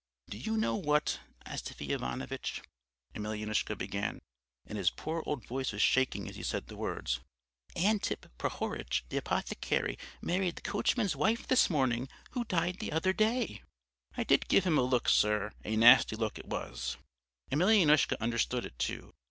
"'Do you know what, Astafy Ivanovitch,' Emelyanoushka began, and his poor old voice was shaking as he said the words, 'Antip Prohoritch, the apothecary, married the coachman's wife this morning, who died the other day ' "I did give him a look, sir, a nasty look it was; Emelyanoushka understood it too.